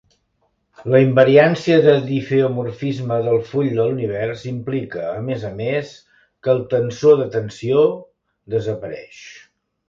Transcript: La invariància de difeomorfisme del full de l'univers implica, a més a més, que el tensor de tensió desapareix.